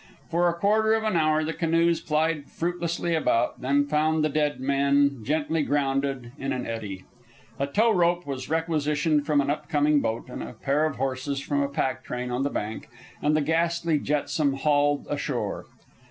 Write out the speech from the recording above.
For a quarter of an hour the canoes plied fruitlessly about, then found the dead men gently grounded in an eddy. A tow rope was requisitioned from an up coming boat, and a pair of horses from a pack train on the bank, and the ghastly jetsam hauled ashore.